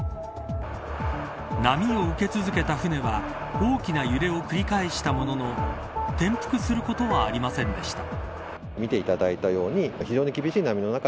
波を受け続けた船は大きな揺れを繰り返したものの転覆することはありませんでした。